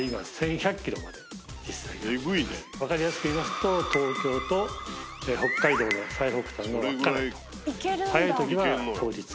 分かりやすく言いますと東京と北海道の最北端の稚内と。